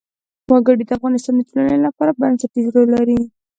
وګړي د افغانستان د ټولنې لپاره بنسټيز رول لري.